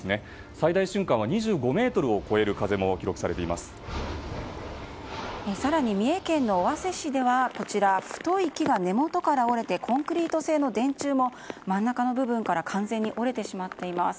最大瞬間は２５メートルを超える風も更に三重県の尾鷲市では太い木が根元から折れてコンクリート製の電柱も真ん中の部分から完全に折れてしまっています。